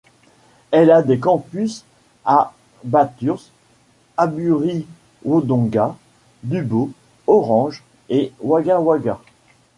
Elle a des campus à Bathurst, Albury-Wodonga, Dubbo, Orange et Wagga Wagga.